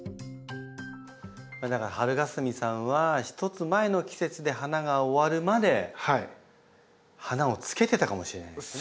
だからはるがすみさんは１つ前の季節で花が終わるまで花をつけてたかもしれないんですね。